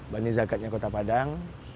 bani zakatnya kota padang